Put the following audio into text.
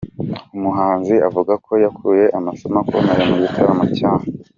Umuhanzi avuga ko yakuye amasomo akomeye mu gitaramo cya .